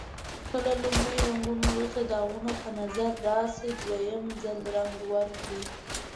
که له لومړي رنګولو وروسته داغونه په نظر راشي دویم ځل رنګ ورکړئ.